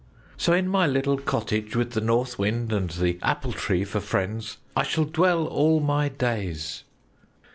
So in my little cottage with the North Wind and the Apple Tree for friends, I shall dwell all my days."